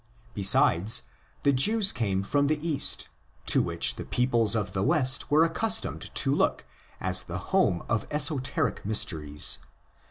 Besides, the Jews came from the Kast, to which the peoples of the West were accus tomed to look as the home of esoteric mysteries.